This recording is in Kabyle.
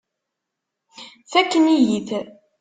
Fakken-iyi-t.